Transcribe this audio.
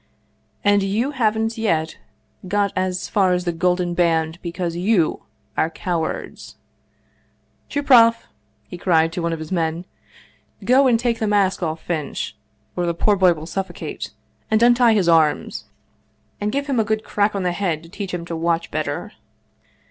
" And you haven't yet got as far as the Golden Band, because you are cowards \ Chuproff," he cried to one of his men, "go and take the mask off Finch, or the poor boy will suffocate, and untie his arms and give him 193 Russian Mystery Stories a good crack on the head to teach him to keep watch better."